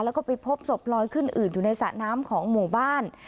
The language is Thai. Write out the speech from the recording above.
แล้วก็ไปพบศพลอยขึ้นอืดอยู่ในสระน้ำของหมู่บ้าน